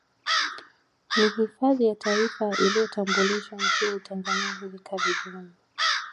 Ni hifadhi ya Taifa iliyotambulishwa nchini Tanzania hivi karibuni